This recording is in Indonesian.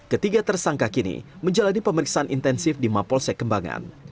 ketiga tersangka kini menjalani pemeriksaan intensif di mapolsek kembangan